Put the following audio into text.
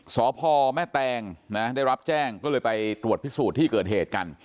สพแม่แตงนะได้รับแจ้งก็เลยไปตรวจพิสูจน์ที่เกิดเหตุกัน